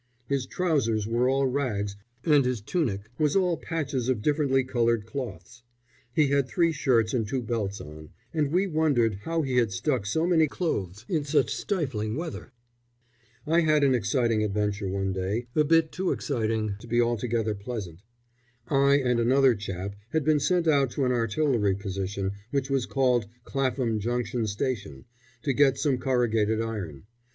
His trousers were all rags, and his tunic was all patches of differently coloured cloths; he had three shirts and two belts on, and we wondered how he had stuck so many clothes in such stifling weather. I had an exciting adventure one day a bit too exciting to be altogether pleasant. I and another chap had been sent out to an artillery position which was called Clapham Junction Station, to get some corrugated iron.